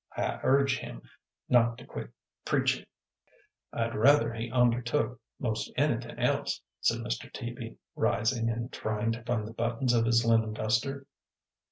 I urge him not to quit preachin'." "I'd rather he ondertook 'most anythin' else," said Mr. Teaby, rising and trying to find the buttons of his linen duster.